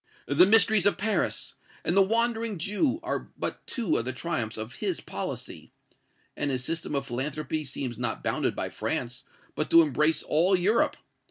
'The Mysteries of Paris' and 'The Wandering Jew' are but two of the triumphs of his policy. And his system of philanthropy seems not bounded by France, but to embrace all Europe.